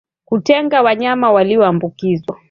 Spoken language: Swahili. Kutenga wanyama walioambukizwa